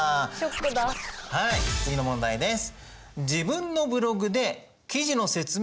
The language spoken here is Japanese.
はい次の問題です！